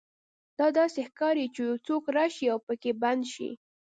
دا داسې ښکاري چې یو څوک راشي او پکې بند شي